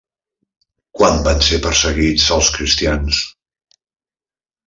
Quan van ser perseguits els cristians?